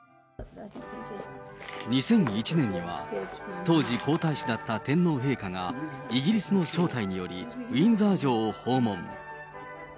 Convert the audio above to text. ２００１年には、当時皇太子だった天皇陛下が、イギリスの招待により、ウィンザー城を訪問。